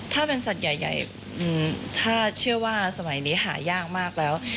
ถ้าเป็นสัตว์ใหญ่ถ้าเชื่อว่าสมัยนี้หายากมากแล้ว